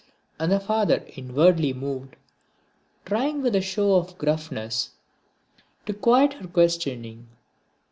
and the father, inwardly moved, trying with a show of gruffness to quiet her questioning.